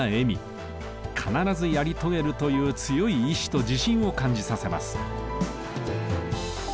「必ずやり遂げる！」という強い意志と自信を感じさせます。